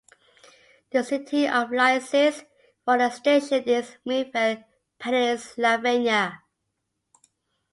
The city of license for the station is Millvale, Pennsylvania.